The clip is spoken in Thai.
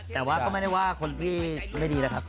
แต่ว่าก็ไม่ได้ว่าคนที่ไม่ดีแล้วครับ